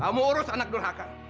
kamu urus anak nurhaka